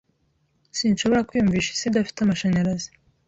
Sinshobora kwiyumvisha isi idafite amashanyarazi.